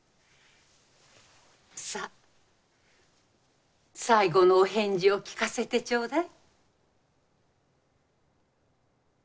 さぁ最後のお返事を聞かせてちょうだい。